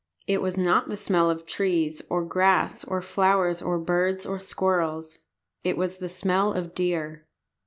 It was not the smell of trees or grass or flowers or birds or squirrels. It was the smell of deer.